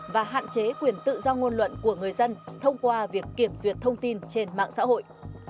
và hạn chế quyền tự do ngôn luận của người dân thông qua việc kiểm duyệt thông tin trên mạng xã hội